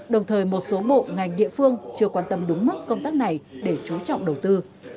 đồng thời một số bộ ngành địa phương chưa quan tâm đúng mức công tác này để trú trọng đầu tư